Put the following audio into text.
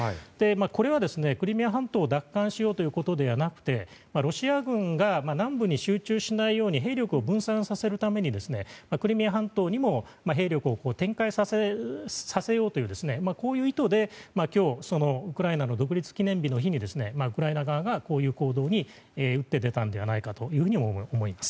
これは、クリミア半島を奪還しようというわけではなくてロシア軍が南部に集中しないように兵力を分散させるためにクリミア半島にも兵力を展開させようという意図で今日ウクライナの独立記念日の日にウクライナ側がこういう行動に打って出たのではないかと思います。